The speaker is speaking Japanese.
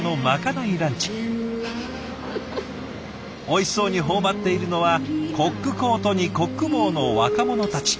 おいしそうに頬張っているのはコックコートにコック帽の若者たち。